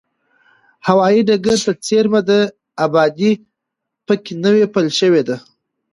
هوایي ډګر ته څېرمه ده، ابادي په کې نوې پیل شوې ده.